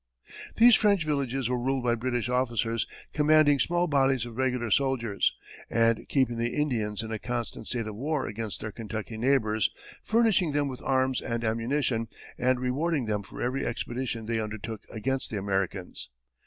These French villages were ruled by British officers commanding small bodies of regular soldiers, and keeping the Indians in a constant state of war against their Kentucky neighbors, furnishing them with arms and ammunition, and rewarding them for every expedition they undertook against the Americans.